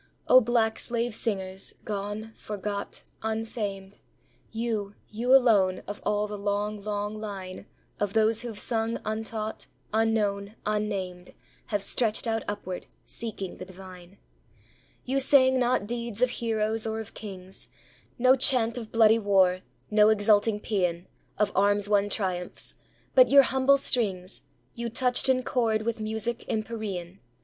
O black slave singers, gone, forgot, unfamed, You you alone, of all the long, long line Of those who've sung untaught, unknown, unnamed, Have stretched out upward, seeking the divine. You sang not deeds of heroes or of kings; No chant of bloody war, no exulting paean Of arms won triumphs; but your humble strings You touched in chord with music empyrean.